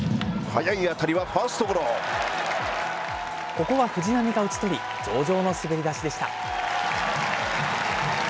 ここは藤浪が打ち取り、上々の滑り出しでした。